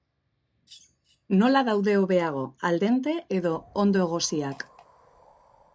Nola daude hobeago, al dente edo ondo egosiak?